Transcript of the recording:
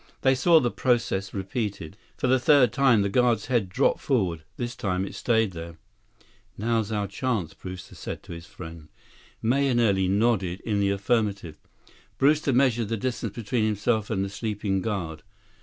They saw the process repeated. For the third time, the guard's head dropped forward. This time, it stayed there. "Now's our chance," Brewster said to his friend. Mahenili nodded in the affirmative. Brewster measured the distance between himself and the sleeping guard.